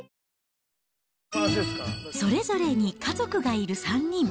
それぞれに家族がいる３人。